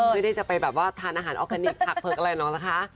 ไม่ได้จะไปแบบว่าทานอาหารออร์แกนิคผักเผิกอะไรหรอกนะคะ